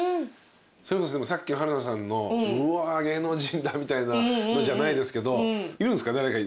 それこそでもさっきの春菜さんの「うわ芸能人だ」みたいなのじゃないですけどいるんすか？